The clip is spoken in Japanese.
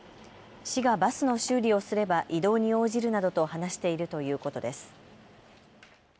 市がバスの修理をすれば移動に応じるなどと話しているということです。